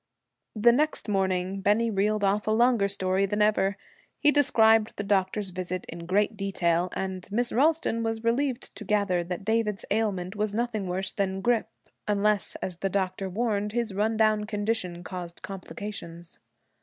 The next morning Bennie reeled off a longer story than ever. He described the doctor's visit in great detail, and Miss Ralston was relieved to gather that David's ailment was nothing worse than grippe; unless, as the doctor warned, his run down condition caused complications.